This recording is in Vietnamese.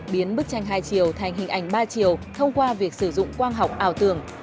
biến bức tranh hai chiều thành hình ảnh ba chiều thông qua việc sử dụng quang học ảo tưởng